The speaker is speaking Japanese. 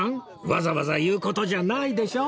わざわざ言う事じゃないでしょ